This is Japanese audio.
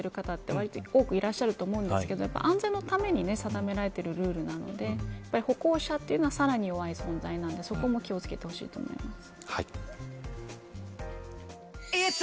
わりと多くいらっしゃると思うんですけれど安全のために定められているルールなので歩行者はさらに弱い存在なのでそこも気をつけてほしいです。